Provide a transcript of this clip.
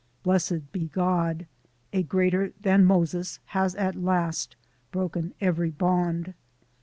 Blessed be God! a "Greater than Moses " has at last broken every bond.